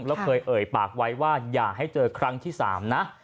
แล้วเคยเอ่ยปากไว้ว่าอย่าให้เจอครั้งที่๓นะ